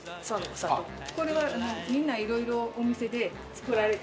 これはみんないろいろお店で作られてる。